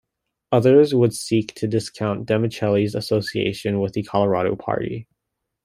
Others would seek to discount Demicheli's association with the Colorado Party.